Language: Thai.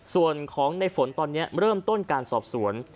ส่วนของในฝนตอนนี้เริ่มต้นการสอบสวน